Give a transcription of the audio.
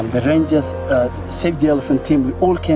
và chúng ta đã bị bắt đầu bắt đầu